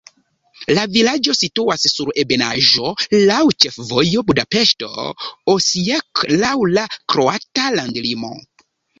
La vilaĝo situas sur ebenaĵo, laŭ ĉefvojo Budapeŝto-Osijek, laŭ la kroata landlimo.